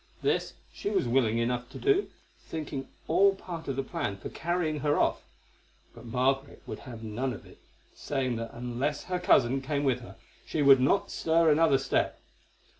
This she was willing enough to do, thinking it all part of the plan for her carrying off; but Margaret would have none of it, saying that unless her cousin came with her she would not stir another step.